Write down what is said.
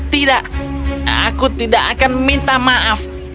tidak aku tidak akan minta maaf